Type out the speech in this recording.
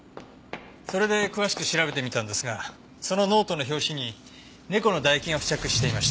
それで詳しく調べてみたんですがそのノートの表紙に猫の唾液が付着していました。